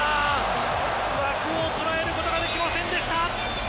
枠を捉えることができませんでした！